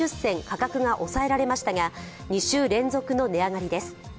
価格が抑えられましたが２週連続の値上がりです。